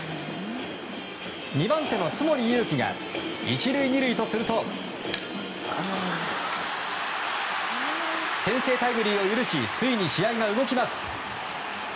２番手の津森宥紀が１塁２塁とすると先制タイムリーを許しついに試合が動きます。